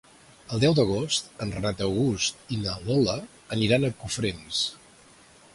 El deu d'agost en Renat August i na Lola aniran a Cofrents.